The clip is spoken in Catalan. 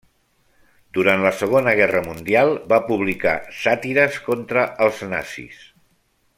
Durant la Segona Guerra Mundial, va publicar sàtires contra els nazis.